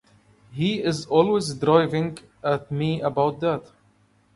He's always driving at me about that.